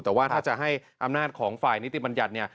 แต่ว่าถ้าจะให้อำนาจของฝ่ายนิติบัญญัติเนี่ย